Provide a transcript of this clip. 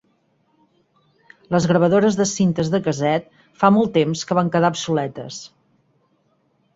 Les gravadores de cintes de casset fa molt temps que van quedar obsoletes.